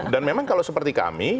dan memang kalau seperti kami